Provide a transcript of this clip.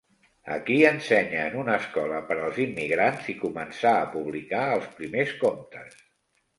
Aquí ensenya en una escola per als immigrants i començà a publicar els primers contes.